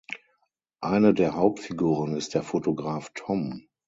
Eine der Hauptfiguren ist der Fotograf Tom.